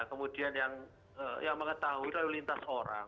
kemudian yang mengetahui lalu lintas orang